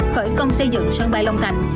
tám khởi công xây dựng sân bay long thành